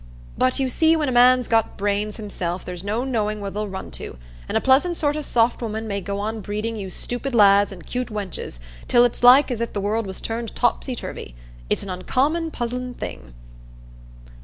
But you see when a man's got brains himself, there's no knowing where they'll run to; an' a pleasant sort o' soft woman may go on breeding you stupid lads and 'cute wenches, till it's like as if the world was turned topsy turvy. It's an uncommon puzzlin' thing."